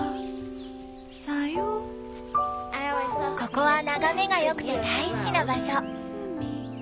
ここは眺めが良くて大好きな場所。